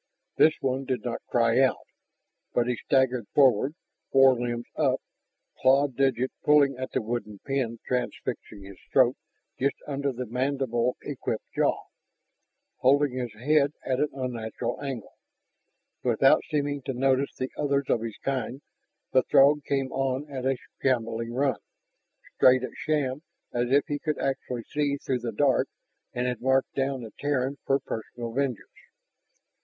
This one did not cry out. But he staggered forward, forelimbs up, clawed digits pulling at the wooden pin transfixing his throat just under the mandible equipped jaw, holding his head at an unnatural angle. Without seeming to notice the others of his kind, the Throg came on at a shambling run, straight at Shann as if he could actually see through the dark and had marked down the Terran for personal vengeance.